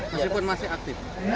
meskipun masih aktif